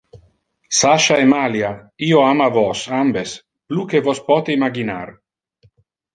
Sasha e Malia! Io ama vos ambes plus que vos pote imaginar.